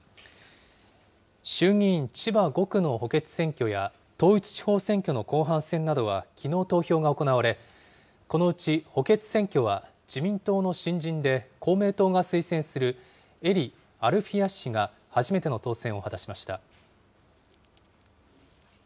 衆議院千葉５区の補欠選挙や統一地方選挙の後半戦などはきのう投票が行われ、このうち補欠選挙は自民党の新人で公明党が推薦する英利アルフィヤ氏が初めての当選を果たしました。